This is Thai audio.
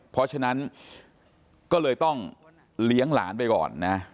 เพราะฉะนั้นก็เลยต้องเลี้ยงหลานไปก่อนนะ